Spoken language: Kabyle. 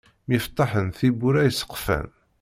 Myeftaḥen tibbura iseqfan.